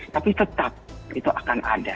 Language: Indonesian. tapi tetap itu akan ada